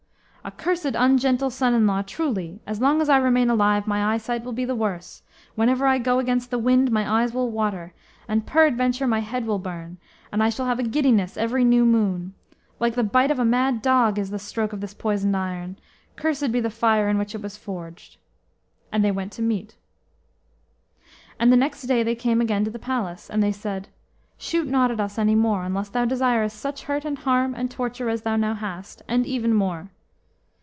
"A cursed ungentle son in law, truly! As long as I remain alive, my eyesight will be the worse. Whenever I go against the wind, my eyes will water; and peradventure my head will burn, and I shall have a giddiness every new moon. Like the bite of a mad dog is the stroke of this poisoned iron. Cursed be the fire in which it was forged!" And they went to meat. And the next day they came again to the palace, and they said, "Shoot not at us any more, unless thou desirest such hurt and harm and torture as thou now hast, and even more."